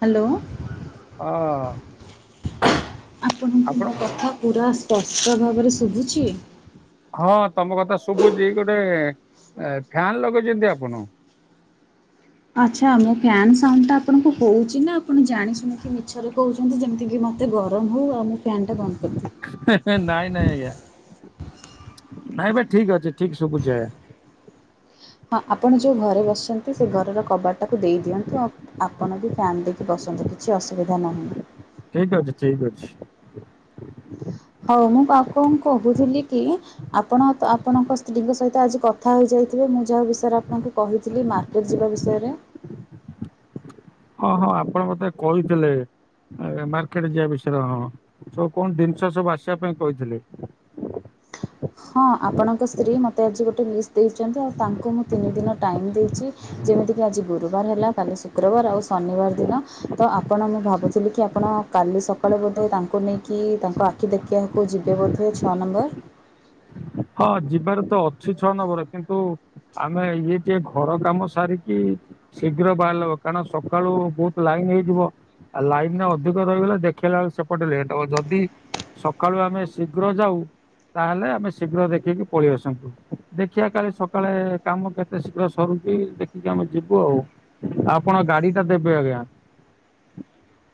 Hello ହଁ ଆପଣଙ୍କୁ ଆପଣ ମୋ କଥା ପୁରା ସ୍ପଷ୍ଟ ଭାବରେ ଶୁଭୁଛି ହଁ ତମ କଥା ଶୁଭୁଛି ଗୋଟେ ଫ୍ୟନ୍ ଲଗେଇଛନ୍ତି ଆପଣ ଆ୍ଛା ମୋ ଫ୍ୟାଣ୍ଡ ଟା ଆପଣଙ୍କୁ କହୁଛି ନା ଆପଣ ଜାଣି ଶୁଣିକି ମିଛରେ କହୁଛନ୍ତି ଯେମିତି ତେ ଗରମ ହଉ ଆଉ ମୁଁ ଫ୍ୟାନ୍ଟା ବନ୍ଦ କରିଦିଏ। ନାଇଁ ନାଇଁ ଆଜ୍ଞା ନାଇଁ ଭାଇ ଠିକ ଅଛି ଠିକ ଶୁଖୁଛ ହଁ ଆପଣ ଯୋଉ ଘରେ ବସିଛନ୍ତି ସେ ଘରର କବାଟାକୁ ଦେଇ ଦିଅନ୍ତୁ ଆଉ ଆପଣ ବି ଫ୍ୟନ୍ ଦେଇକି ବସ ଛନ୍ତି କିଛି ଅସୁବିଧା ନାହିଁ ଠିକ ଅଛି ଠିକ ଅଛି ହ ମୁଁ ପା କଣ କହୁଥିଲି କି ଆପଣ ଆପଣଙ୍କ ସ୍ତ୍ରୀଙ୍କ ସହିତ ଆଜି କଥା ହେଇଯାଇଥିବେ ମୁଁ ା ବିୟରେ ଆପଣଙ୍କୁ କହିଥିଲି ମାର୍କେଟ ଯିବା ବିଷୟରେ ହଁ ହଁ ଆପଣ ମତେ କହିଥିଲେ ମାର୍କେଟ ଯିବା ବିଷୟରେ ହଁ ସ କଣ ଜିନିଷ ସବୁ ଆସିବା ପାଇଁ କହିଥିଲେି ହଁ ଆପଣଙ୍କ ସ୍ତ୍ରୀ ମତେ ଆଜି ଗୋଟେ ମିସ୍ ଦେଇଛନ୍ତି ଆଉ ତାଙ୍କୁ ମୁଁ ତିନି ଦିନ ଟାଇମ ଦେଇଛି ଯେମିତିକି ଆଜି ଗୁରୁବାର ହେଲା କାଲି ଶୁକ୍ରବାର ଆଉ ଶନିବାର ଦିନ ତ ଆପଣ ମୁଁ ଭାବୁଥିଲି କି ଆପଣ କାଲି ସକାଳେ ବୋଧେ ତାଙ୍କୁ ନେଇକି ତାଙ୍କ ଆଖି ଦେଖିବାକୁ ଯିବେ ବୋଧେ ଛଅ ନମ୍ବର ହଁ ଯିବାରେ ତ ଅଛି ଛଅ ନମ୍ବର କିନ୍ତୁ ଆମେ ଇଏ ଟିକେ ଘର କାମ ସାରିକି ଶୀଘ୍ର ବାହାରିଲ କାରଣ ସକାଳୁ ବହୁତ ଲାଇନ ହେଇଯିବ ଆଉ ଲାଇନା ଅଧିକ ରହିଗଲା ଦେଖେଇଲା ବେଳ ସେପଟେ ଲଟ ହବ ଯଦି ସକାଳୁ ଆମେ ଶୀଘ୍ର ଯାଉ ତାହେଲେ ଆମେ ଶୀଘ୍ର ଦେଖିକି ପଳେଇ ଆସନ୍ତୁ ଦେଖିବା କାଲି ସକାଳେ କାମ କେତେ ଶୀଘ୍ର ସରୁଛି ଦେଖିକି ଆ ଆମେ ଯିବୁ ଆଉ ଆପଣ ଗାଡି ଟା ଦେବେ ଆଜ୍ଞା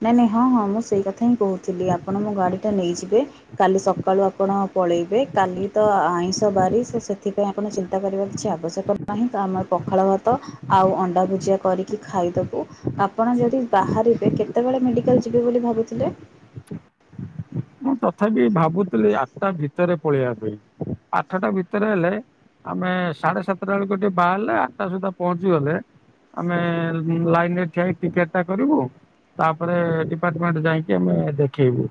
ହ ନାଇଁ ନାଇଁ ହଁ ହଁ ମୁଁ ସେଇ କଥା ହିଁ କହୁଥିଲି ଆପଣ ମୋ ଗାଡିଟା ନେଇଯିବେ କାଲି ସକାଳୁ ଆପଣ ପଳେଇବେ କାଲି ତ ଆଇଁଷ ବାରିଶ ସେଥିପାଇଁ ଆପଣ ଚିନ୍ତା କରିବା କିଛି ଆବଶ୍ୟକ ନାହିଁ ତ ଆମ ପଖାଳ ଭାତ ଆଉ ଅଣ୍ଡା ଭୁଜିଆ କରିକି ଖାଇଦବୁ ଆପଣ ଯଦି ବାହାରିବେ କେତେବେଳେ ମେଡିକାଲ ଯିବେ ବୋଲି ଭାବୁଥିଲେ ମୁଁ ତଥାପି ଭାବୁଥିଲି ଆଠଟା ଭିତରେ ପଳେଇବା ପାଇଁ ଆଠଟା ଭିତରେ ହେଲେ ଆମେ ସାଢେ ସାତଟା ବେଳକୁ ଟିକେ ବାହାରିଲେ ଆଠଟା ସୁଦ୍ଧା ପହଞ୍ଚିଗଲେ ଆମେ ଲାଇନରେ ଠିଆ ଟିକେଟ ଟା କରିବୁ ତାପରେ ଡିପାର୍ଟମେଣ୍ଟ ଯାଇକି ଆମେ ଦେଖେଇବୁ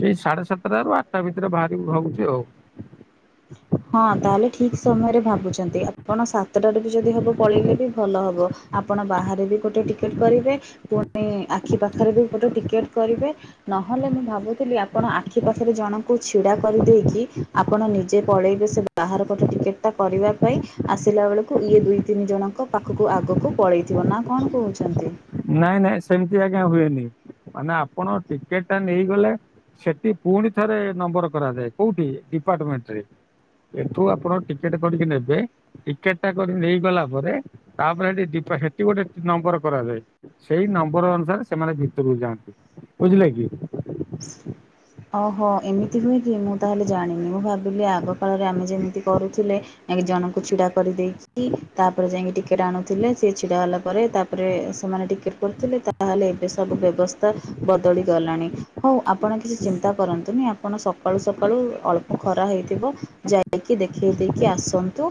ସେଇ ସାଢେ ସାତଟା ର ଆଠଟା ଭିତରେ ବାହାର ଭାବୁଛି ଆଉ ହଁ ତାହେଲେ ଠିକ ସମୟରେ ଭାବୁଛନ୍ତି ଆପଣ ସାତଟାରୁ ବି ଯଦି ହବ ପଳେଇଲେ ବି ଭଲ ହବ ଆପଣ ବାହାରେ ବି ଗୋଟେ ଟିକେଟ କରିବେ ପୁଣି ଆଖି ପାଖରେ ବି ଗୋଟେ ଟିକେଟ କରିବେ ନହେଲେ ମୁଁ ଭାବୁଥିଲି ଆପଣ ଆଖି ପାଖରେ ଜଣଙ୍କୁ ଛିଡ଼ା କରିଦେଇକି ଆପଣ ନିଜେ ପଳେଇବେ ସେ ବାହାର କଟେ ଟିକେଟ ଟା କରିବା ପାଇଁ ଆସିଲା ବେଳକୁ ଇଏ ଦୁଇ ତିନି ଜଣଙ୍କ ପାଖକୁ ଆଗ ଆଗକୁ ପଳେଇଥିବ ନା କଣ କହୁଛନ୍ତି ନାଇଁ ନାଇଁ ସେମତି ଆଜ୍ଞା ହୁଏନି ମାନେ ଆପଣ ଟିକେଟ୍ ଟା ନେଇଗଲେ ସେଠି ପୁଣି ଥରେ ନମ୍ବର କରାଯାଏ କୋଉଠି? ଡିପାର୍ଟମେଣ୍ଟ ରେ ଏଠୁ ଆପଣ ଟିକେଟ କରିକି ନେବେ ଟିକେଟ ଟା କରି ନେଇଗଲା ପରେ ତାପରେ ସେଠି ସେଠି ଗୋଟେ ନମ୍ବର କରାଯାଏ। ସେଇ ନମ୍ବର ଅନୁସାରେ ସେମାନେ ଭିତରକୁ ଯାଆନ୍ତି ବୁଝିଲେ କି? ଓହୋ ଏମିତି ହୁଏ କି ମୁଁ ତାହେଲେ ଜାଣିନି ମୁଁ ଭାବିଲି ଆଗ କାଳରେ ଆମେ ଯେମିତି କରୁଥିଲେ। ଜଣକୁ ଛିଡା କରିଦେଇକି ତାପରେ ଯାଇକି ଟିକେଟ ଆଣୁଥିଲେ ସେ ଛିଡା ହେଲା ପରେ ତାପରେ ସେମାନେ। ଟିକେଟ୍ କରିଥିଲେ ତାହେଲେ ଏବେ ସବୁ ବ୍ୟବସ୍ଥା ବଦଳିଣି ଗଲାଣି ହଉ ଆପଣ କିଛି ଚିନ୍ତା କରନ୍ତୁନି ଆପଣ ସକାଳୁ ସକାଳୁ ଅଳ୍ପ ଖରା ହେଇଥିବ ଯାଇକି ଦେଖେଇ ଦେଇକି ଆସ। ଆସନ୍ତୁ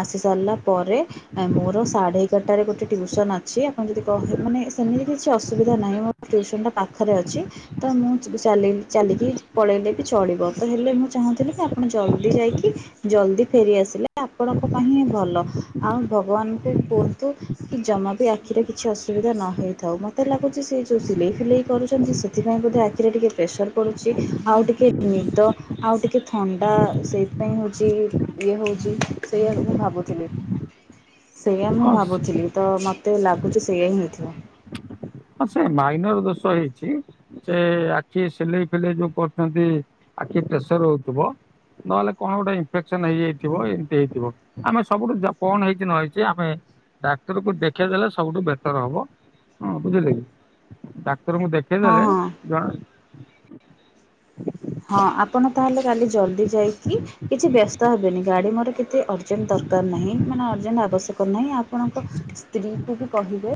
ଆସି ସାରିଲା ପରେ ମୋର ସାଢେ ଏଗାରଟାରେ ଗୋଟେ ଟିଉସନ୍ ଅଛି ଆପଣ ଯଦି କହେ ମାନେ ସେମିତି କିଛି ଅସୁବିଧା ନାହିଁ ମୋ ଟଟିଉସନ୍ଟା ପାଖରେ ଅଛି ତ ମୁଁ ଚାଲି ଚାଲିକି ପଳେଇଲେ ବି ଚଳିବ ତ ହେଲେ ମୁଁ ଚାହୁଁଥିଲି କି ଆପଣ ଜଲ୍ଦି ଯାଇକି ଜଲ୍ଦି ଫେରିଆସ। ଆସିଲେ ଆପଣଙ୍କ ପାଇଁ ହିଁ ଭଲ ଆଉ ଭଗବାନଙ୍କୁ କୁହନ୍ତୁ କି ଜମା ବି ଆଖି ରେ କିଛି ଅସୁବିଧା ନ ହେଇଥାଉ ମୋତେ ଲାଗୁଛି ସେ ଯେଉଁ ସିଲେଇ ଫିଲେଇ କରୁଛନ୍ତି ସେଥିପାଇଁ ବୋଧେ ଆଖିରେ ଟିକି ପ୍ରେସର ପୁଛି ଆଉ ଟିକେ ନିଦ ଆଉ ଟିକେ ଥଣ୍ଡା ସେମିତିପାଇଁ ହଉଛି ଇଏ ହଉଛି। ସେଇଆଡ ମୁଁ ଭାବୁଥିଲି। ସେଇଆ ମୁଁ ହଁ ଭାବୁଥିଲି ତ ମୋତେ ଲାଗୁଛି ସେଇୟଆ ହିଁ ହେଇଥିବ। ହଁ ସେ ମାଇନର ଦୋଷ ହେଇଛି ସେ ଆଖି ସିଲେଇ ଫିଲେଇ ଯୋଉ କରୁଛନ୍ତି। ଆଖି ପ୍ରେସର ହଉଥିବ। ନହେଲେ କଣ ଗୋଟେ ଇନଫେକ୍ସନ ହେଇଯାଇଥିବ ଏମିତି ହେଇଥିବ ଆମେ ସବୁ କଣ ହେଇଛି ନ ହେଇଛି ଆମେ ଡାକ୍ତର କୁ ଦେଖେଇ ଦେଲେ ସବୁଠୁ ବେଟର ହବ ହୁଁ ବୁଝିଲେ କି ଡାକ୍ତରଙ୍କୁ ହଁ ଦେଖେଇଦେଲେ ହଁ ଜଣ ହଁ ଆପଣ ତାହାଲେ କାଲି ଜଲଦି ଯାଇକି କିଛି ବ୍ୟସ୍ତ ହେବେନି ଗାଡି ମୋର କେତେ ଅର୍ଜେଣ୍ଟ ଦ ଦରକାର ନାହିଁ ମାନଅଯେଣ୍ଟ ଆବଶ୍ୟକ ନାହିଁ ଆପଣଙ୍କ ସ୍ତ୍ରୀ କୁ ବି କହିବେ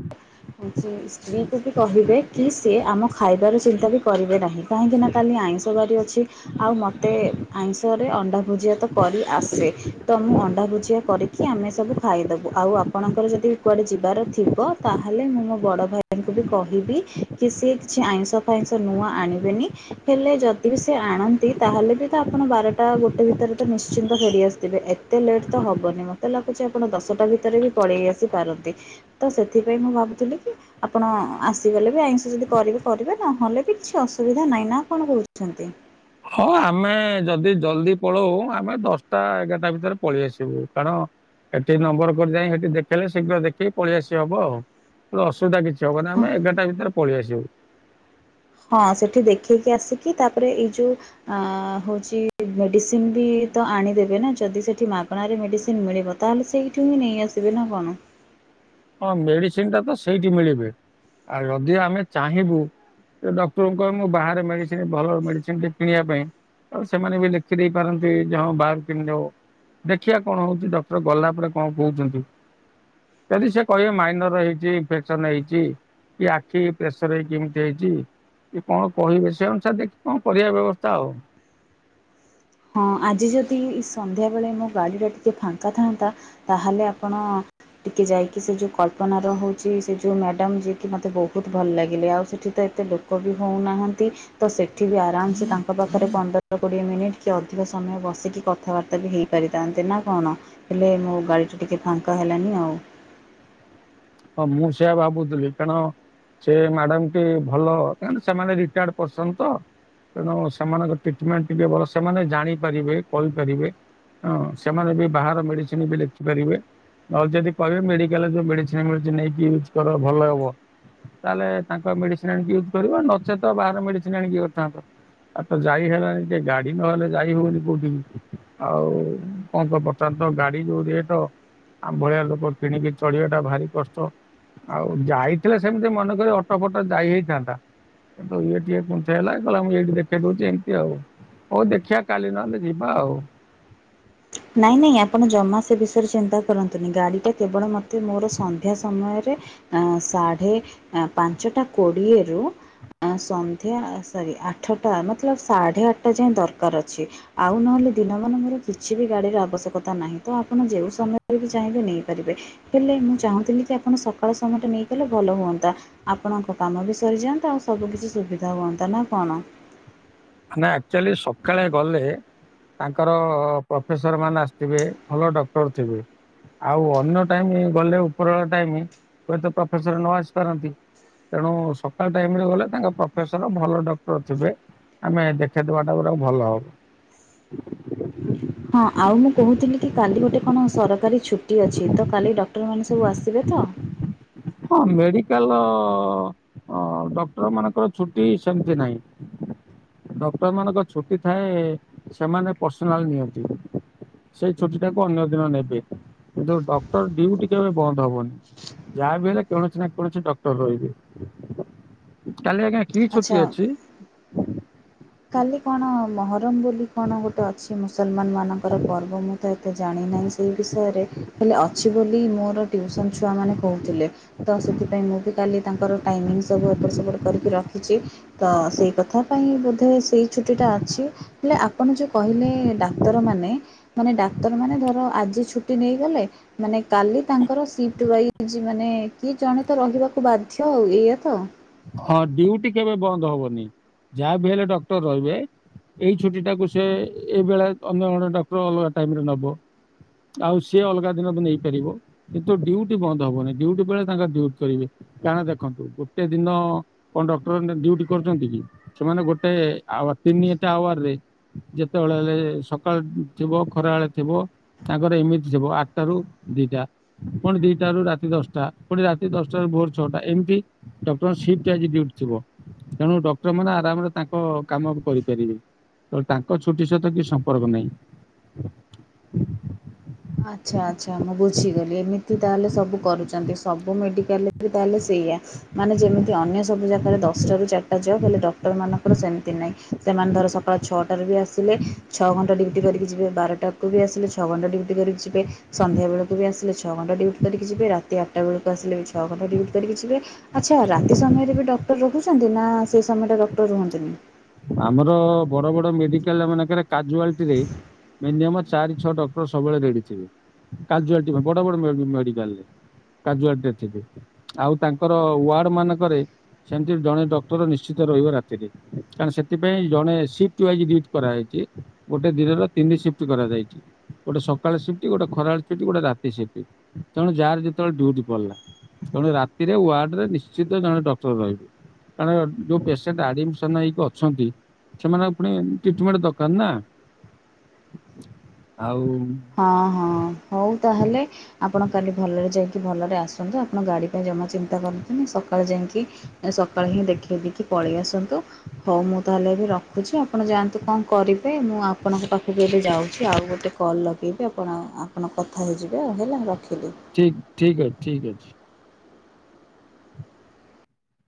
ସ୍ତ୍ରୀ କୁ ବି କହିବେ କି ସେ ଆମ ଖାଇବାର ଚିନ୍ତା ବି କରିବେ ନାହିଁ କାହିଁକି ନା କାଲି ଆଇଁ ବାରି ଅଛି ଆଉ ମତେ ଆଇଁଷ ରେ ଅଣ୍ଡା ଭୁଜିଆତ କରିଆସେ ତ ମୁଁ ଭୂଜିଆକରିକି ଆମେ ସବୁ ଖାଇଦବୁ ଆଉ ଆପଣଙ୍କର ଯଦି କୁଆଡେ ଯିବାର ଥିବ ତାହାଲେ ମୁଁ ମୋ ବଡ଼ ଭାଇଙ୍କୁ ବି କହିବି କି ସିଏ କିଛି ଆଇଁଷ ଫାଇଁଷ ନୂଆ ଆଣିବେନି ହେଲେ ଯଦି ଯଦି ବି ସେ ଆଣନ୍ତି ତାହେଲେ ବି ତ ଆପଣ ବାରଟା ଗୋଟେ ଭିତରେ ତ ନିଶ୍ଚିନ୍ତ ଫେରିଆସିଥିବେ ଏତେ ଲେଟ୍ ତ ହବନି ମତେ ଲାଗୁଛି ଆପଣ ଦଶଟା ଭିତରେ ବି ପଳେଇ ଆସି ପାରନ୍ତି ତ ସେଥିପାଇଁ ମୁଁ ଭାବୁଥିଲି କି ଆପଣ ଆସିଗଲେ ବି ଆଇଁଷ ଯଦି କରିବେ କରିବେ ନହେଲେ ବି କିଛି ଅସୁବିଧା ନାହିଁ ନା କଣ କହୁଛୁ। ଛନ୍ତି। ହଁ ଆମେ ଯଦି ଜଲଦି ପଳଉ ଆମେ ଦଶଟା ଏଗାରଟା ଭିତରେ ପଳେଇ ଆସିବୁ କାରଣ ସେଠି ନମ୍ବର କରି ଯାଇ ସେଠି ଦେଖେଇଲେ ଶୀଘ୍ର ଦେଖିକି ପଳେଇଆସି ହବ ଆଉ। ଅସୁବିଧା କିଛି ହବ ନା ହଁ ଆମେ ଏଗାରଟା ଭିତରେ ପଳେଇ ଆସିବୁ। ହଁ ସେଠି ଦେଖେଇକି ଆସିକି ତାପରେ ଏଇ ଯୋଉ ଅ ହଉଛି ମେଡିସିନ ବି ତ ଆଣିଦେବେ ନା ଯଦି ସେଠି ମାଗଣାରେ ମେଡିସିନ ମିଳିବ ତାହେଲେ ସେଇଠି ହିଁ ନେଇ ଆସିବେ ନା କଣ [inaudible] ହଁ ମେଡିସିନ ଟା ତ ସେଇଠି ମିଳିବେ ଆଉ ଯଦି ଆମେ ଚାହିଁବୁ ସେ ଡକ୍ଟରଙ୍କୁ କହିବେ ମୁଁ ବାହାରେ ମେଡିସିନ ଭଲ ମେଡିସିନ ଟେ କିଣିବା ପାଇଁ ଆଉ ସେମାନେ ବି ଲେଖିଦେଇ ପାରନ୍ତି ଯ ହଁ ବାହାରାରୁ କେମିତି ହବ। ଦେଖିଆ କଣ ହଉଛି ଡକ୍ଟର ଗଲା ପରେ କଣ କହୁଚନ୍ତି। ଯଦି ସେ କହିବେ ମାଇନର ହେଇଛି ଇନଫେକ୍ସନ ହେଇଛି। କି ଆଖି ପ୍ରେସର ହେଇକି ଏମିତି ହେଇଛି। କି କଣ କହିବେ ସେ ଅନୁସାରେ ଦେଖି କଣ କରିବା ବ୍ୟବସ୍ଥା ଆଉ [inaudible] ହଁ ଆଜି ଯଦି ଏସନ୍ଧ୍ୟାବେଳେ ମୋ ଗାଡ଼ିର ଟିକେ ଫାଙ୍କା ଥାଆନ୍ତା ତାହେଲେ ଆପଣ ଟିକେ ଯାଇକି ସେ ଯୋଉ କଳ୍ପନା ର ହଉଛି ସେ ଯୋଉ ମ୍ୟାଡାମ ଯିଏକି ମତେ ବହୁତ ଭଲ ଲାଗିଲେ ଆଉ ସେଠି ତ ଏତେ ଲୋକ ବି ହେଉନାହାନ୍ତି ତ ସେଠି ବି ଆରାମସେ ତାଙ୍କ ପାଖରେ ପନ୍ଦର କୋଡ଼ିଏ ମିନିଟ୍ କି ଅଧିକ ସମୟ ବସିକି କଥାବାର୍ତ୍ତା ବି ହେଇପାରିଥାନ୍ତେ ନା କଣ ହେଲେ ମୋ ଗାଡ଼ି ଟିକିଏ ଫାଙ୍କା ହେଲାନି ଆଉ [inaudible] ହଁ ମୁଁ ସେୟା ଭାବୁଥିଲି ଟାଣ ସେ ମ୍ୟାଡାମଟି ଭଲ କାରଣସେମାନେ ରିଟାର୍ଡ ପସନ ତ ତେଣୁ ସେମାନଙ୍କ ଟିଟ୍ ମେଣ୍ଟ ଟିକେ ଭଲ ସେମାନେ ଜାଣିପାରିବେ କହିପାରିବେ। ହଁ ସେମାନେ ବି ବାହାର ମେଡିସିନ ବି ଲେଖିପାରିବେ ନହେଲେ ଯଦି କହିବେ ମେଡିକାଲ ମେଡି ନେଇକି ୟଜ୍ କର ଭଲ ହବ। ତାହେଲେ ତାଙ୍କ ମେଡିସିନ ଆଣିକି ୟୁଜ୍ କରିବ ନଚେତ ବାହାର ମେଡିସିନ ଆଣିକି କରିଥାନ୍ତ। ଆ ତ ଯାଇ ହେଲାଣିି ଟିକେ ଗାଡି ନହେଲେ ଯାଇ ହଉନି କୋଉଠିକି ଆଉ କଣ କ ତ ଗାଡି ଯୋଉ ରେଟ ଆମ ଭଳିଆ ଲୋକ କିଣିକି ଚଳିବା ଭାରି କଷ୍ଟ ଆଉ ଯାଇଥିଲେ ସେମିତି ମନେକ ଅଟୋ ଫଟ ଯାଇ ହେଇଥାନ୍ତା। କିନ୍ତୁ ଇଏ ଟିକେ କୁଥ ହେଲା କହିଲ ମୁଁ ଏଇଠି ଦେଖେଇ ଦଉଛି ଏମିତି ଆଉ। ହୋଉ ଦେଖିଆ କାଲି ନହେଲେ ଯିବା ଆଉ। ନାଇଁ ନାଇଁ ଆପଣ ଜମା ସେ ବିଷୟରେ ଚିନ୍ତା କରନ୍ତୁନି ଗାଡ଼ିଟା କେବଳ ମତେ ମୋର ସନ୍ଧ୍ୟା ସମୟର ସାଢେ ପାଞ୍ଚଟା କୋଡିଏରୁ ସନ୍ଧ୍ୟା ସରି ଆଠଟା ମ ସାଢେ ଆଠଟା ଯାଏ ଦରକାର ଅଛି ଆଉ ନହେଲେ ଦିନମାନେ ମୋର କି କିଛି ବି ଗାଡ଼ିର ଆବଶ୍ୟକତା ନାହିଁ ତ ଆପଣ ଯେଉଁ ସମୟରେ ବି ଚାହିଁବେ ନେଇପାରିବେ ହେଲେ ମୁଁ ଚାହୁଁଥିଲି କି ମାନେ ସକାଳ ସମୟଟା ନେଇ କଲେ ଭଲ ହୁଅନ୍ତା ଆପଣଙ୍କ କାମ ବି ସରିଯାଆନ୍ତା ଆଉ ସବୁ କିିଛି ସୁବିଧା ହୁଅନ୍ତା। ନା କଣ? ଆମେ ଆଚୁଆଲି ସକାଳେ ଗଲେ ତାଙ୍କର ପ୍ରଫେସର ମାନେ ଆସିଥିବେ ଭଲ ଡକ୍ଟର ଥିବେ। ଆଉ ଅନ୍ୟ ଟାଇମି ଗଲେ ଉପର ବେଳା ଟାଇମି ହୁଏତ ପ୍ରଫେସର ନ ଆସିପାରନ୍ତି। ତେଣୁ ସକାଳ ଟାଇମରେ ଗଲେ ତାଙ୍କ ପ୍ରଫେସର ଭଲ ଡକ୍ଟର ଥିବେ। ଆମେ ଦେଖେଇଦବାଟା ଗୋଟେ ଭଲ ହବ। ହଁ ଆଉ ମୁଁ କହୁଥିଲି କି କାଲି ଗୋଟେ କଣ ସରକାରୀ ଛୁଟି ଅଛି ତ କାଲି ଡକ୍ଟରମାନେ ସବୁ ଆସିବେ ତ? ହଁ ହଁ ମେଡିକାଲ ହଁ ଡକ୍ଟର ମାନଙ୍କର ଛୁଟି ସେମତି ନାହିଁ। ଡକ୍ଟର ମାନଙ୍କର ଛୁଟି ଥାଏ ସେମାନେ ପର୍ସନାଲ ନିଅନ୍ତି। ସେଇ ଛୁଟିଟାକୁ ଅନ୍ୟ ଦିନ ନେବେ। କିନ୍ତୁ ଡକ୍ଟର ଡ୍ୟୁଟି କେବେ ବନ୍ଦହବନି। ଯାହା ବି ହେଲେ କୌଣସି ନା କୌଣସି ଡକ୍ଟର ରହିବେ, କାଲି ଆଜ୍ଞା କି ଆଚ୍ଛା ଛୁଟି ଅଛି? କାଲି କଣ ମହରମ ବୋଲି କଣ ଗୋଟେ ଅଛି ମୁସଲମାନ ମାନଙ୍କର ପର୍ବ ମୁଁ ତ ଏତେ ଜାଣିି ନାହିଁ ସେ ବିଷୟରେ ହେଲେ ଅଛି ବୋଲି ମୋର ଟିଉସନ୍ ଛୁଆମାନେ କହୁଥିଲେ ତ ସେଥିପାଇଁ ମୁଁ ବି କାଲି ତାଙ୍କର ଟାଇମିଙ୍ଗ୍ ସବୁ ଏପଟ ସେପଟ କରିକି ରଖିଚି ତ ସେଇ କଥା ପାଇଁ ବୋ ସେଇ ଛୁଟି ଟା ଅଛି ହେଲେ ଆପଣ ଯୋଉ କହିଲେ ଡାକ୍ତର ମାନେ ମାନେ ଡାକ୍ତର ମାନେ ଧର ଆଜି ଛୁଟି ନେଇଗଲେ ମାନେ କାଲି ତାଙ୍କର ସିପ୍ଟ ୱାଇଜ୍ ମାନେ କିଏ ଜଣେତ ର ରହିବାକୁ ବାଧ୍ୟ ଆଉ ଏଇଆ ତ? ହଁ ଡିଉଟି କେବେ ବନ୍ଦ ହବନି ଯାହାବି ହେଲେ ଡକ୍ଟର ରହିବେ। ଏଇ ଛୁଟି ଟାକୁ ସେ ଏଇବେଳେ ଅନ୍ୟ ଜଣେ ଡକ୍ଟର ଅଲଗା ଟାଇମରେ ନବ ଆଉ ସିଏ ଅଲଗା ଦିନ ବି ନେଇପାରିବ କିନ୍ତୁ ଡ୍ୟୁଟି ବନ୍ଦ ହବନି ଡ୍ୟୁଟି ବେଳେ ତାଙ୍କର ଡ୍ୟୁଟି କରିବେ। କାରଣ ଦେଖନ୍ତୁ ଗୋଟେ ଦିନ କଣ ଡକ୍ଟରମାନେ ଡ୍ୟୁଟି କରୁଚନ୍ତି କି ସେମାନେ ଗୋଟେ ଆୱା-ତିନିଟା ଆୱାରେ ଯେତେବେଳେ ହେଲେ ସକାଳ ଥିବ ଖରା ବେଳେ ଥିବ ତାଙ୍କର ଏମିତି ଥିବ ଆଟା ରୁ ଦିଟା ପୁଣି ଦିଟାରୁ ରାତି ଦଶଟା ପୁଣି ରାତି ଦଶଟା ର ଭୋର ଛଅଟା ଏମିତି ଡକ୍ଟରଙ୍କ ସି କି ଆଜି ଡ୍ୟୁଟି ଥିବ ତେଣୁ ଡକ୍ଟରମାନେ ଆରାମରେ ତାଙ୍କ କାମକୁ କରିପାରିବେ। ତ ତାଙ୍କ ଛୁଟି ସହିତ କିଛି ସମ୍ପର୍କ ନାହିଁ। ଆଚ୍ଛା ଆଚ୍ଛା ମୁଁ ବୁଝିଗଲି ଏମିତି ତାହେଲେ ସବୁ କରୁଚନ୍ତି ସବୁ ମେଡିକାଲରେ ତାହେଲେ ସେଇ ମାନେ ଯେମିତି ଅନ୍ୟ ସବୁ ଜାଗାରେ ଦଶଟା ରୁ ଚାରିଟା ଯବ୍ ହେଲେ ଡକ୍ଟର ମାନଙ୍କ ସେମତି ନାହିଁ ସେମାନେ ଧର ସକାଳ ଛଅଟାରୁ ବି ଆସିଲେ ଛଅ ଘଣ୍ଟା ଡୁଉଟି କରିକି ଯିବେ ବାରଟାକୁ ବି ଆସିଲେ ଛଅ ଘ କରିକି ଯିବେ ସନ୍ଧ୍ୟା ବେଳକୁ ବି ଆସିଲେ ଛଅ ଘଣ୍ଟା ଡିଉଟି କରିକି ଯିବେ ରାତି ଆଠଟା ବେଳକୁ ଆସିଲେ ବି ଛଅ ଘଣ୍ଟା ଡିଉଟି କରିକି କି ଯିବେ ଆଛା ରାତି ସମୟରେ ବି ଡକ୍ଟର ରହୁଛନ୍ତି ନା ସେଇ ସମୟଟା ଡକ୍ଟର ରୁହନ୍ତିନି। ଆମର ବଡ ବଡ ମେଡିକାଲ ମାନେ କାଜୁଆଲିଟି ରେ ଚାରି ଛଅ ଡକ୍ଟର ସବୁବେଳେ ରେଡି ିବୋଡ ମଡା କାଜୁ ଆଉ ତାଙ୍କର ୱାର୍ଡ ମାନଙ୍କରେ ସେମିତି ଜଣେ ଡକ୍ଟର ନିଶ୍ଚିତ ରହିବ ରାତିରେ କାରଣ ସେ ସେ ଜଣେ ସି୍ କରାଯାଇଛି ଗୋଟେ ଦିନର ତିନିି କରାଯଛି ଗଟ ସକାଳେି୍ଟି ଗୋଟେ ଖରାବେଳେ ସିଫ୍ଟି ଗୋଟେ ରାତିିଫଟି ତଣୁ ଯାହାର ଯେତେବେଳେ ଡୁଟି ପଡିଲ ତେଣୁ ଥିରେ ୱାର୍ଡରେ ନିଶ୍ଚିତ ଜଣେ ଡକ୍ଟର ରହିବେ କାରଣ ଯୋଉ ପେସେଣ୍ଟ ଆଡମିସନ ହେଇକି ଅ ଅ ସେମାନଙ୍କ ପୁଣି ଟିଟମେଣ୍ଟ ଦରକାର ନା ଆଉ ହଁ ହଁ ହଉ ତାହେଲେ ଆପଣ କାଲି ଭଲରେ ଯାଇକ ଭଲରେ ଆସନ୍ତୁ ଆପଣ ଗାଡି ପାଇଁ ଜମା ଚିନ୍ତା କରନ୍ତୁ ସକାଳେ ଯାଇକି ସକାଳେ ହି ଦେଖେଇ [inaudible] ଯାଉଛି ଆଉ ଗୋଟେ କଲ୍ ଲଗେଇବେି ଆପଣ ଆପଣ କଥା ହେଇଯିବେ ଆଉ ହେଲେ ଠିକ ଠିକ ଅଛି ଠିକ ଅଛି